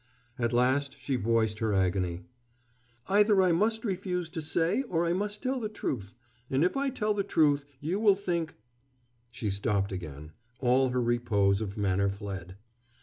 At last she voiced her agony. "Either I must refuse to say, or I must tell the truth and if I tell the truth, you will think " She stopped again, all her repose of manner fled.